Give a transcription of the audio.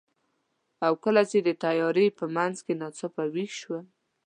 او کله چې د تیارې په منځ کې ناڅاپه ویښ شوم،